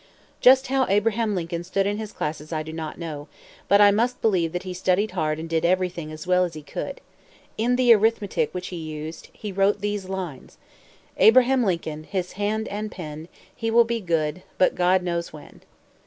Just how Abraham Lincoln stood in his classes I do not know; but I must believe that he studied hard and did everything as well as he could. In the arithmetic which he used, he wrote these lines: "Abraham Lincoln, His hand and pen, He will be good, But God knows when."